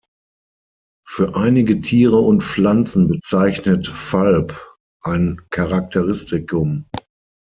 Für einige Tiere und Pflanzen bezeichnet ‚Falb-‘ ein Charakteristikum.